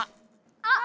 あっ！